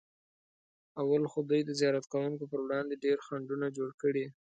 اول خو دوی د زیارت کوونکو پر وړاندې ډېر خنډونه جوړ کړي.